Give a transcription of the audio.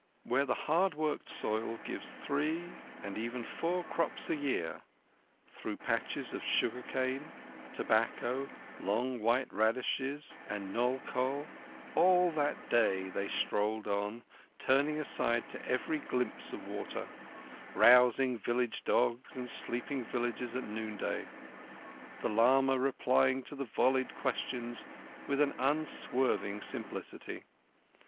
Where the hard worked soil gives three and even four crops a year through patches of sugar cane, tobacco, long white radishes, and nol kol, all that day they strolled on, turning aside to every glimpse of water; rousing village dogs and sleeping villages at noonday; the lama replying to the volleyed questions with an unswerving simplicity.